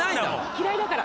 嫌いだから。